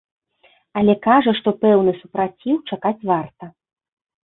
Але кажа, што пэўны супраціў чакаць варта.